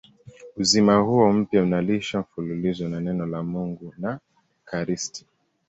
Uzima huo mpya unalishwa mfululizo na Neno la Mungu na ekaristi.